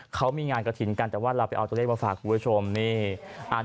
เขามีงานกระถินกันแต่ว่าเราเอาตัวเล็กมาฝากครับ